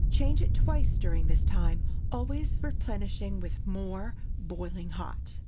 Change it twice during this time, always replenishing with more, boiling hot.